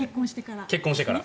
結婚してから。